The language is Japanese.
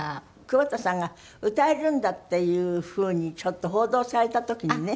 桑田さんが歌えるんだっていうふうにちょっと報道された時にね。